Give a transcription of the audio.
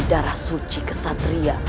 darah suci kesatria